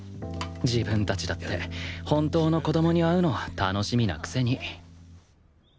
自分たちだって本当の子供に会うの楽しみなくせに